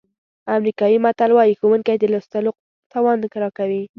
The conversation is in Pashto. امریکایي متل وایي ښوونکي د لوستلو توان راکوي.